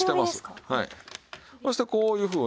そしてこういうふうに。